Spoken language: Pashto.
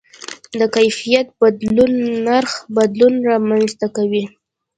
د کیفیت بدلون د نرخ بدلون رامنځته کوي.